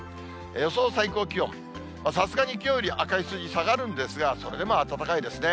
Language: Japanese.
予想最高気温、さすがにきょうより赤い数字下がるんですが、それでも暖かいですね。